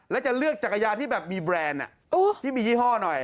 แล้วจะเลือกจักรยานที่แบบมีแบรนด์ที่มียี่ห้อหน่อย